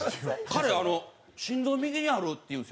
「彼心臓右にある」って言うんですよ。